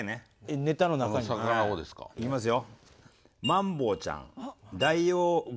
いきますよ。